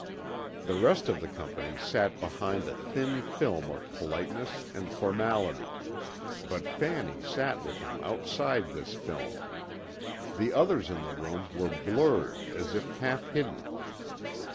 The rest of the company sat behind a thin film of politeness and formality. But Fanny sat with him outside this film. The others in the room were blurred as if half hidden.